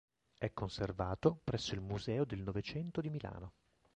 È conservato presso il Museo del Novecento di Milano.